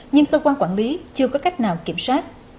nhưng cơ quan quản lý chưa có cách nào kiểm soát